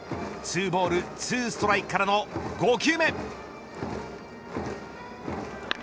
２ボール２ストライクからの５球目。